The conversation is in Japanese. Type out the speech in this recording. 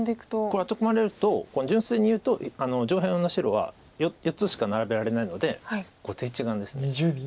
これアテ込まれると純粋にいうと上辺の白は４つしか並べられないので後手１眼です。